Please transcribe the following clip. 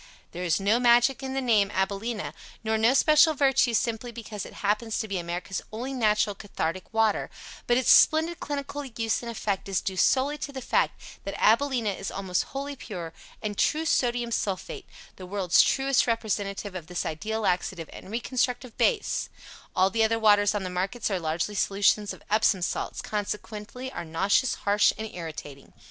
There is no magic in the name, AbilenA, nor no special virtue simply because it happens to be America's only natural cathartic water, but its splendid clinical value and effect is due solely to the fact that AbilenA is almost wholly pure and true Sodium Sulphate the world's truest representative of this ideal laxative and reconstructive base, All the other waters on the markets are largely solutions of Epsom salts, consequently are nauseous, harsh and irritating.